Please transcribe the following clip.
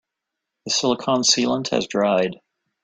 The silicon sealant has dried.